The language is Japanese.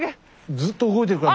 ずっと動いてるから。